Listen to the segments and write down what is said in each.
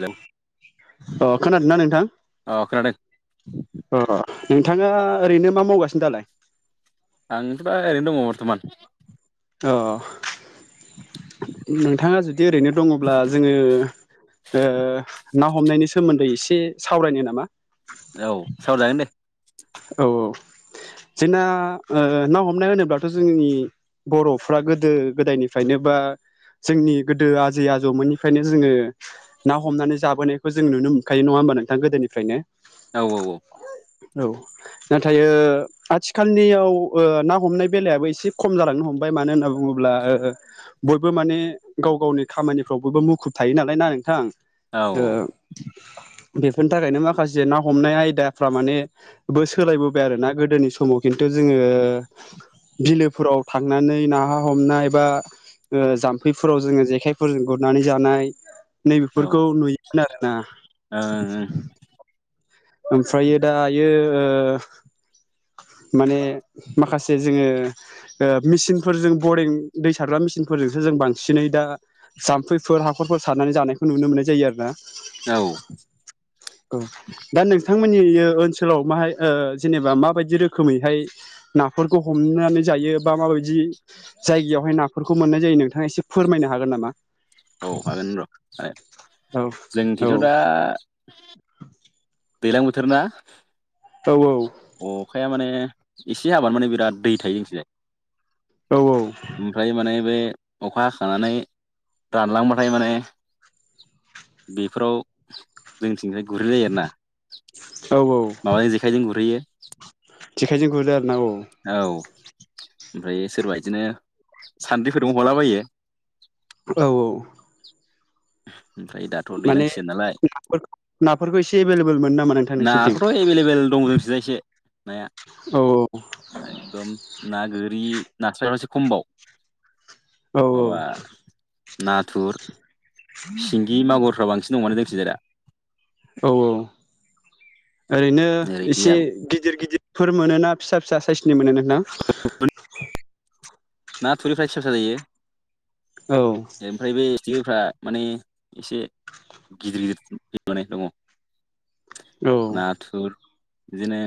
Hello अ खोनादोंना नोंथां? अह खोनादों। अ नोंथाङा ओरैनो मा मावगासिनो दालाय? आंथ' दा ओरैनो दङ बर्थमान। अ। नोंथाङा जुदि ओरैनो दङब्ला जोङो ओ ना हमनायनि सोमोन्दै एसे सावरायनो नामा? औ सावराय जागोन दे। औ औ दिना ओ, ना हमनाय होनोब्लाथ' जोंनि बर'फ्रा गोदो गोदायनिफ्रायनो बा जोंनि गोदो आजै आजौमोननिफ्रायनो जोङो ना हमनानै जाबोनायखौ जों नुनो मोनखायो नङा होमबा नोंथां गोदोनिफ्रायनो। औ औ औ। औ नाथाय ओ आथिखालनियाव ओ ना हमनाय बेलायाबो एसे खम जालांनो हम बाय मानो होनना बुङोब्ला ओ बयबो माने गाव गावनि खामानिफ्राव बयबो मुखुब थायो नालाय ना नोंथां? औ ओ बेफोरनि थाखायनो माखासे ना हमनाय आयदाफ्रा माने बो सोलायबोबाय आरो ना गोदोनि समाव खिन्थु जोङो बिलोफोराव थांनानै नाहा हमनाय बा ओ जाम्फैफोराव जोङो जेखाइफोरजों गुरनानै जानाय औ नैबेफोरखौ नुयोमोन आरोना। ओमफ्रायो दायो ओ माने माखासे जोंङो ओ मेचिनफोरजों बरिं दै सारग्रा मेचिनफोरजोंसो जों बांसिनै दा जाम्फैफोर हाखरफोर सारनानै जानायखौ नुनो मोननाय जायो आरो ना। औ औ दा नोंथांमोननि ओ ओनसोलाव माहाय जेनेबा माबायदि रोखोम रोखोमैहाय नाफोरखौ हमनानै जायो बा माबायदि जायगायावहाय नाफोरखौ मोननाय जायो नोंथाङा एसे फोरमायनो हागोन नामा? औ हागोन र' औ औ जोंथिथ' दा दैज्लां बोथोर ना? औ औ। अखाया माने एसे आबाद माने बिराद दै थायो जोंनि थिंजाय। औ औ। ओमफ्राय माने बे अखा हाखानानै रानलांबाथाय माने बेफोराव जोंथिंनिफ्राय गुरहैनाय जायो आरोना औ माबाजों जेखायजों गुरहैयो। जेखाइजों गुरदो आरो ना औ। औ ओमफ्राय सोरबा बिदिनो सान्द्रिफोरजों हलाबायो। औ औ। ओमफ्राय दाथ' दैलां माने सिजेन नालाय नाफोरखौ एसे एभेलेबेल मोनना मोना? नाखौथ' एभेलेबेल दं जोंथिजाय एसे नाया। औ एकदम ना गोरि नास्रायासो खमबाव। औ औ माबा नाथुर, सिंगि मागुरफ्रा बांसिन दङ जोंथिजाय दा। औ औ। ओरैनो ओरै एसे दैयाबो गिदिर गिदिरफोर मोनो ना फिसा फिसा साइसनि मोनो नोंथां? म [unintelligible] ना थुरिनिफ्रा फिसा फिसा जायो। औ। ओमफ्राय बे सिथिकफ्रा माने एसे गिदिर गिदिर माने दङ। औ नाथुर बिदिनो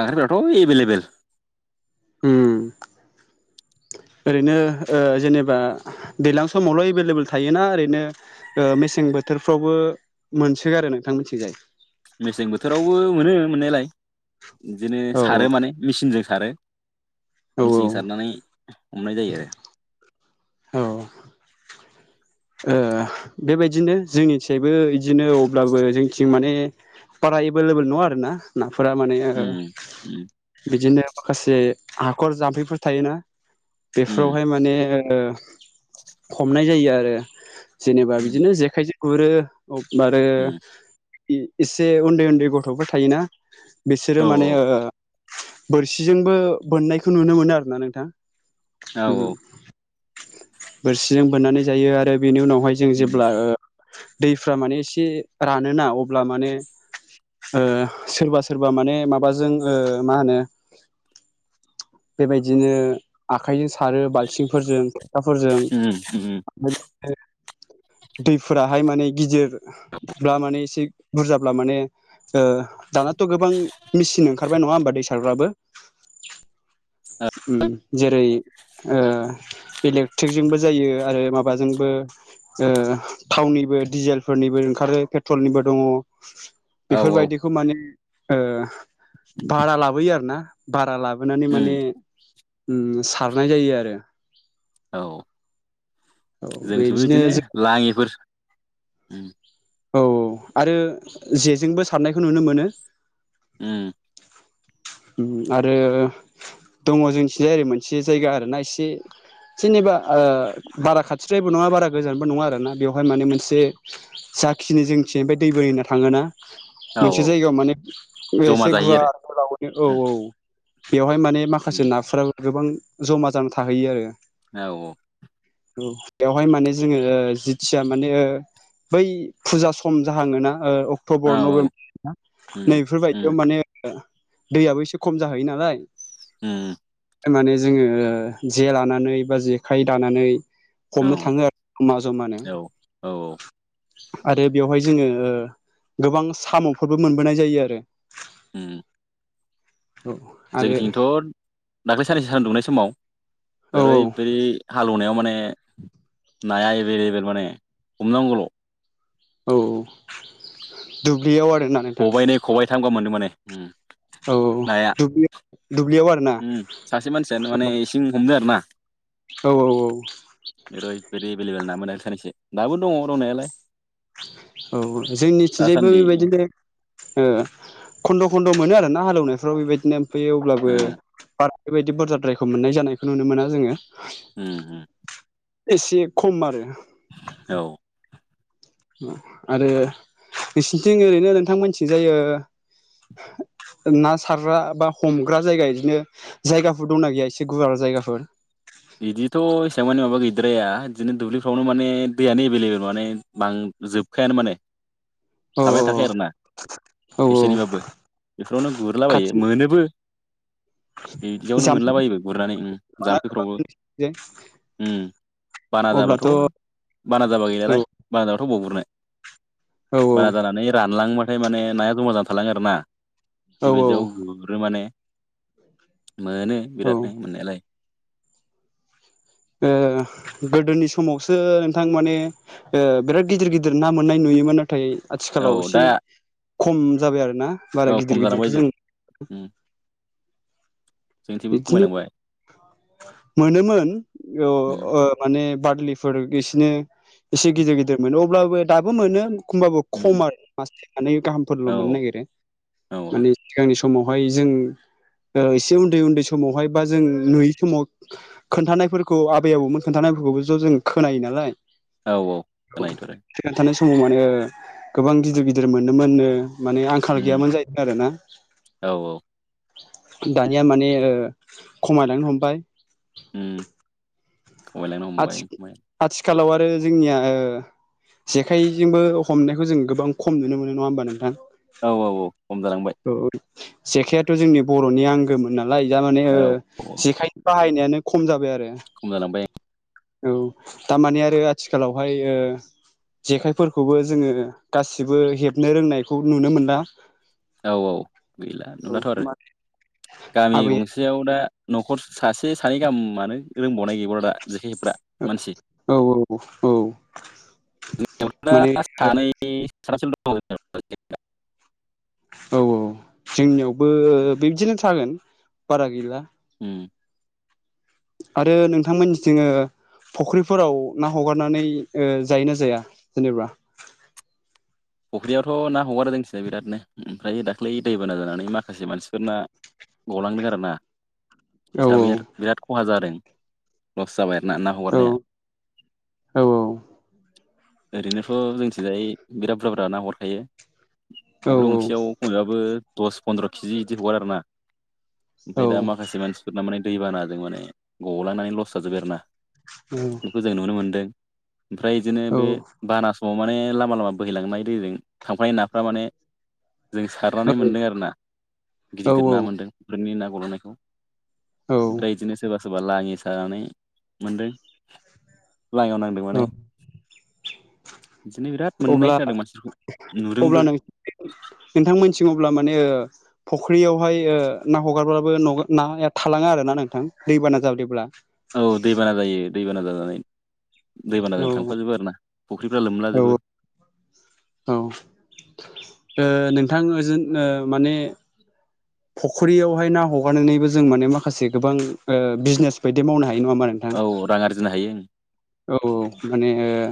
खांख्राइफोराथ' एभेलेबेल। उम। ओरैनो ओ जेनेबा दैज्लां समावल' एभेलेबेल थायोना ओरैनो ओ मेसें बोथोरफ्रावबो मोनसोगारो नोंथां मोनथिंजाय? मेसें बोथोरावबो मोनो मोननायलाय बिदिनो औ सारो माने मेचिनजों सारो। औ मिसिं सारनानै हमनाय जायो आरो। औ ओ बेबायदिनो जोंनिथियायबो बिदिनो अब्लाबो जोंथिं माने बारा एभेलेबेल नङा आरोना। नाफोरा माने उम उम बिदिनो माखासे हाखर जाम्फैफोर थायोना उम बेफोरावहाय माने ओ हमनाय जायो आरो। जेनेबा उम बिदिनो जेखाइजों गुरो आरो उम एसे उन्दै उन्दै गथ'फोर थायोना बिसोरो औ माने ओ बोरसिजोंबो बोननायखौ नुनो मोनो आरोना नोंथां। औ औ। बोरसिजों बोननानै जायो आरो बेनि उनावहाय जों उम जेब्ला ओ दैफ्रा माने एसे रानोना अब्ला माने ओ सोरबा सोरबा माने माबाजों ओ मा होनो बेबायदिनो आखाइजों सारो बाल्थिंफोरजों फिथाफोरजों उम उम। दैफोराहाय माने गिदिर बा माने एसे बुरजाब्ला माने ओ। दानाथ' गोबां मेसिन ओंखारबाय नङा होमबा दै सारफ्राबो उम जेरै ओ इलेक्ट्रिक जोंबो जायो आरो माबाजोंबो ओ थावनिबो डिजेलफोरनिबो ओंखारो पेट्रलनिबो दङ औ औ बेफोरबायदि खौ माने ओ भारा लाबोयो आरो ना। भारा लाबोनानै माने उम ओम सारनाय जायो आरो। औ औ जोंथ'बो बिदिनो जों लाङिफोर औ आरो जेजोंबो सारनायखौ नुनो मोनो। उम। उम आरो दङ जोंनिथिं जाय मोनसे जायगा आरोना एसे। जेनेबा ओ बारा खाथिद्रायबो नङा बारा गोजानबो नङा आरोना बेवहाय माने मोनसे जाखिनि जोंनिथिंहाय दै बोरै होनना थाङोना औ मोनसे औ जायगायाव माने बे जमा एसे जाहैयो आरो गुवार औ गोलावैनो औ बेवहाय माने माखासे उम नाफोराबो गोबां जमा जान थाहैयो आरो। औ औ। औ बेवहाय माने जोङो जिथिया माने बै फुजा सम जाहाङोना औ अक्ट'बर औ नभेम्बर ना उम उम नैफोरबायदियाव माने दैयाबो एसे खम जाहैयो नालाय। उम। माने जोङो जे लानानै बा जेखाइ दानानै औ हमनो थाङो आरो जमा जमानो औ औ आरो बेवहाय जोङो गोबां साम'फोरबो मोनबोनाय जायो आरो। उम। औ। आरो जोंनिथिंथ' दाख्लै साननैसो सान दुंनाय समाव औ ओरैबायदि हालेवनायाव माने नाया एबेललेबेल माने हमनांगौल' औ दुब्लियाव आरोना। नोंथां खबाइनै खबाइथाम गाहाम मोनदों माने उम। औ औ नाया दुब्लियाव आरो। उम सासे मानसियानो माने इसिं हमदो आरो ना। औ औ औ। बिदि एभेलेबेल नामोन आरो थांसै दाबो दङ दंनायालाय। औ जोंनिथिंजायबो दासान्दि बेबायदिनो ओ खन्द' खन्द' मोनो आरो ना हालेवनायफ्राव बेबायदिनो फैयो अब्लाबो उम बार बेबायदि बुजाद्रायखौ मोननाय जानायखौ नुनो मोना जोङो उम उम। एसे खम आरो। औ। आरो नोंसिनिथिं ओरैनो नोंथांमोननिथिंजाय ओ ओ ना सारग्रा बा हमग्रा जायगा बिदिनो जायगाफोर दंना गैया एसे गुवार जायगाफोर बिदिथ' एसेबां मानि माबा गैद्राया बिदिनो दुब्लिफ्रावनो माने दैयानो एभेलेबल माने बां जोबखायानो माने औ थाबायनो औ थाखाय आरोना औ एसोरनिबाबो बेफोरावनो गुरलाबायो खाथि मोनोबो बिदियावनो जाम्फै मोनलाबायोबो गुरनानै बाना जाम्फैफ्रावबो [unintelligible] ओम बाना जाबाथ' अब्लाथ' औ बाना जाबा औ गैलालाय बाना जाबाथ' बबाव गुरनो। औ बारा जानानै रानलांबाथाय माने नाया जमा जाना थालाङो आरोना। औ औ बेबायदियाव गुरो माने, मोनो ओ बिरादनो मोननायालाय। गोदोनि समावसो नोंथां माने बिराद गिदिर गिदिर ना मोननाय नुयोमोन नाथाय औ आथिखालाव दा एसे खम जाबाय आरोना। औ खम जानां बायदो जोंथिसेबो बिदिनो खमायलांबाय मोनोमोन औ उम ओ माने बारलिफोर बिसिनो एसे गिदिर गिदिर मोनो अब्लाबो दाबो मोनो एखमबाबो उम खम आरो मास मान गाहामफोरल' औ मोननो नागिरो औ मानि सिगांनि समावहाय जों एसे उन्दै उन्दै समावहाय बा जों नुयै समाव खोन्थानायफोरखौ आबै आबौमोन खोन्थानायफोरखौबो ज' जों खोनायो नालाय औ औ खोनायोथ' आरो। [unintelligible] थानाय समाव मा होनो गोबां गिदिर गिदिर मोनोमोननो। माने आंखाल उम गैयामोन जाहैदों आरो ना औ औ दा नाया माने ओ खमायलांनो हमबाय। उम खमायलांनो हमबाय आथि आथिखालाव आरो जोंनिया ओ जेखाइजोंबो हमनायखौ जों गोबां खम नुनो मोनो नङा होमबा नोंथां? औ औ औ खम जालांबाय। औ जेखायथ' जोंनि बर'नि आंगोमोन नालाय। दा माने ओ औ औ जेखाइ बाहायनायानो खम जाबाय आरो। खम जालांबाय। औ थारमाने आरो आथिखालावहाय ओ जेखाइफोरखौबो जोङो गासिबो हेबनो रोंनायखौ नुनो मोनला। औ औ गैला औ नुलाथ' मा आरो, गामि आबैया गंसे आव दा न'खर सासे सानै गाहामानो रोंबावनाय गैबावला दा जेखाइ हेबग्रा। मानसि, औ औ जोंनियावथ' दा माने सानै साथामसोल' दं जोंनियाव। औ औ जोंनियावबो बिबदिनो थागोन बारा गैला। उम। आरो नोंथांमोननिथिं ओ फुख्रिफोराव ना हगारनानै ओ जायो ना जाया जेनेबा? फुख्रियावथ' ना हगारो जोंनिथिंजाय बिरादनो। ओमफ्रायो दाख्लै दैबाना जानानै माखासे मानसिफोरना गलांदों आरोना। औ हिसाबै बिराद खहा जादों, लस जाबाय आरो ना, ना औ हगारनाया। औ ओरैनोथ' जोंथिंजाय बिराद बुरजा बुरजा ना हगारखायो। औ फख्रि गंसेयाव खनबाबो दस फन्द्र' केजि इदि हगारो आरोना। ओमफ्राय दा औ माखासे मानसिफोरना माने दैबानाजों माने गलांनानै लस जाजोब्बाय आरोना। बेखौ जों नुनो मोन्दों। ओमफ्राय बिदिनो बे बाना समाव माने लामा लामा बोहैलांनाय दैजों थांफानाय नाफ्रा माने जों सारनानै मोनदों आरोना गिदिर औ गिदिर ना मोन्दों बेनि ना गलांनायखौ। औ ओमफ्राय बिदिनो सोरबा सोरबा लाङि सानानै मोनदों। लाङिआव नांदों माने, बिदिनो बिराद मोननाय खोनादों मानसिफोरखौ, नुदोंबो। नोंथांमोननिथिं अब्ला माने फुख्रियावहाय ओ ना हगारब्लााबबो नाया थालाङा आरोना नोंथां दैबाना जादोंब्ला। औ दैबाना जायो दैबाना जानानै औ दैबानाजों थांफाजोबो आरोना। फुख्रिफ्रा औ लोमलाजोबो। औ ओ नोंथां ओजों ओ माने फख्रियावहाय ना हगारनानैबो जों माने माखासे गोबां ओ बिजनेस बायदि मावनो हायो नङा होनबा नों औ रां आरजिनो हायो। औ औ माने ओ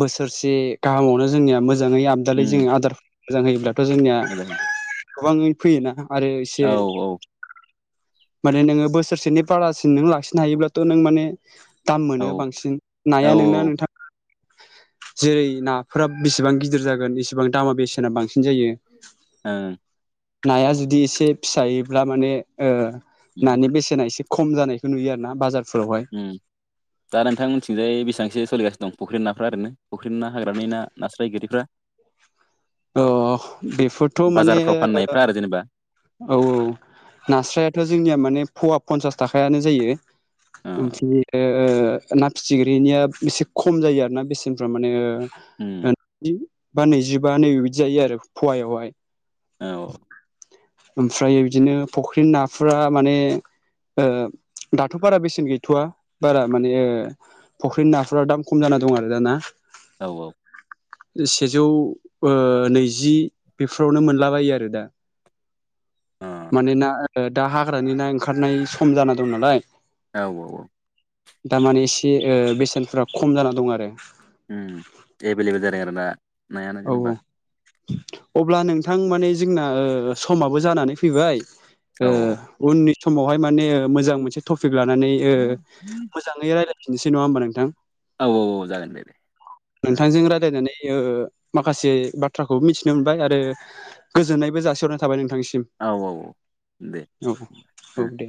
बोसोरसे गाहामावनो जोंनिया मोजाङै आबदालै उम जोङो आदार मोजां होयोब्ला थ' जोंनिया मोजां गोबाङै फैयोना आरो औ एसे माने नोङो बोसोरसेनि बारासिन नों लाखिनो हायोब्लाथ' नों माने दाम औ मोनो बांसिन, औ नाया नोंना नोंथां जेरै नाफोरा बेसेबां गिदिर जागोन इसेबां दामा बेसेना बांसिन जायो। ओं। नाया जुदि एसे फिसायोब्ला माने ओ उम नानि बेसेना एसे खम जानायखौ नुयो आरो ना बाजारफोरावहाय। उम दा नोंथां मोननिथिंजाय बेसेबांसो सोलिगानो दं फख्रि नाफ्रा ओरैनो फख्रि ना हाग्रानि ना नास्राय गोरिफ्रा? अ बेफोरथ' माने बाजारफ्राव फाननायफ्रा आरो जेनेबा औ औ नास्रायाथ' जोंनिया माने फवा पन्सास थाखायानो जायो। ओ ओमफ्राय ओ ओ ना फिथिख्रिनिया एसे खम जायो आरो ना बेसेनफोरा माने ओ उम ओ दिनो नैजि बा नैजिबा नैबे बिदि जायो आरो फवायावहाय। औ ओमफ्रायो बिदिनो फुख्रिनि नाफोरा माने ओ दाथ' बारा बेसेन गैथ'वा बारा माने ओ फुख्रिनि नाफोरा दाम खम जाना दं आरो दा ना। औ औ सेजौ ओ नैजि बेफोरावनो मोन लाबायो आरो दा। माने ना ओ दा हाग्रानि ना ओंखारनाय सम जाना दं नालाय। औ औ औ दामाने एसे ओ बेसेनफोरा खम जाना दं आरो। उम एभाइलबल जाबाय आरोना। औ औ अब्ला नोंथां माने जोंना ओ समाबो जानानै फैबाय औ ओ उननि समावहाय माने मोजां मोनसे टपिक लानानै ओ जाङै रायलायफिनसै नङा होनबा नोंथां? औ औ औ जागोन दे दे। ओ नोंथांजों रायलायनानै ओ माखासे बाथ्राखौ मिथिनो मोनबाय आरो गोजोननायबो जासिहरनाय थाबाय नोंथांनिसिम। औ औ औ दे औ औ ओ औ दे